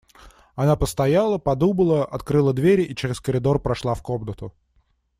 Она постояла, подумала, открыла дверь и через коридор прошла в комнату.